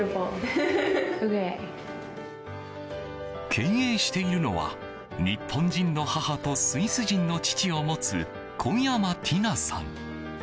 経営しているのは日本人の母とスイス人の父を持つ小山ティナさん。